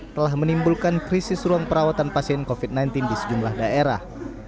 telah menimbulkan krisis ruang perawatan pasien covid sembilan belas di sejumlah daerah